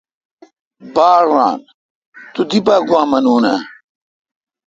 باڑ ران تو دی پا گوا مانون اؘ۔